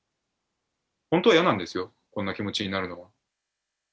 本当は嫌なんですよ、こんな気持ちになるの。